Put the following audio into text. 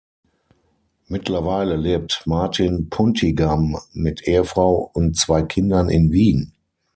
Mittlerweile lebt Martin Puntigam mit Ehefrau und zwei Kindern in Wien.